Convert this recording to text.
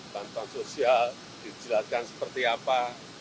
bantuan sosial dijelaskan seperti apa